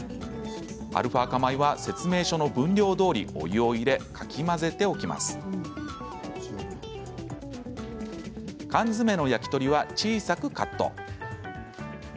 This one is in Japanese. アルファ化米は説明書の分量どおり、お湯を入れかき混ぜておきます。缶詰の焼き鳥は小さくカット。